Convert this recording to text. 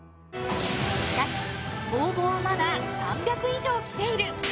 しかし、応募はまだ３００以上来ている！